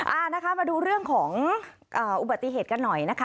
อ่านะคะมาดูเรื่องของอุบัติเหตุกันหน่อยนะคะ